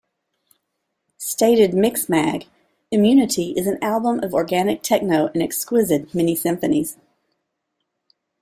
Stated "MixMag", "Immunity" is an album of organic techno and exquisite mini-symphonies.